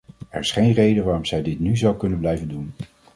Er is geen reden waarom zij dit nu zou kunnen blijven doen.